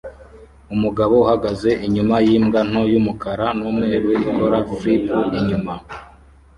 Umugabo uhagaze inyuma yimbwa nto yumukara numweru ikora flip inyuma